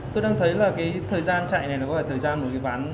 tôi đang thấy là cái thời gian chạy này nó có phải thời gian của cái bán